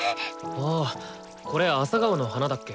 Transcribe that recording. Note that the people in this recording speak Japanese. ああこれあさがおの花だっけ。